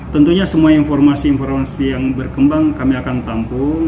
tentunya semua informasi informasi yang berkembang kami akan tampung